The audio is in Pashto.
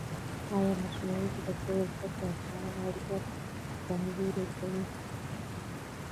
ایا مصنوعي ځیرکتیا د زده کړې انساني اړیکه نه کمزورې کوي؟